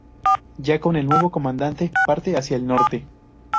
Ya con el nuevo comandante parte hacia el Norte.